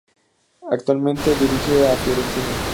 Actualmente dirige a la Fiorentina.